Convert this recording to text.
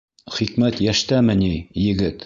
— Хикмәт йәштәме ни, егет!